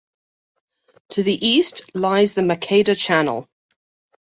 To the east lies the Maqueda Channel.